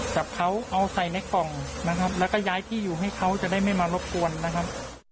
จับเขาเอาใส่ในกล่องนะครับแล้วก็ย้ายที่อยู่ให้เขาจะได้ไม่มารบกวนนะครับ